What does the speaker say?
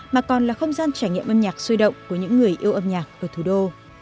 mà còn là không gian trải nghiệm âm nhạc sôi động của những người yêu âm nhạc ở thủ đô